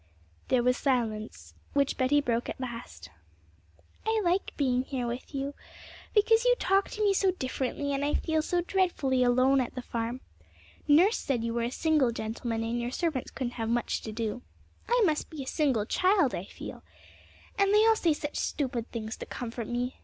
There was silence, which Betty broke at last. 'I like being here with you, because you talk to me so differently, and I feel so dreadfully alone at the farm. Nurse said you were a single gentleman, and your servants couldn't have much to do. I must be a single child, I feel! And they all say such stupid things to comfort me.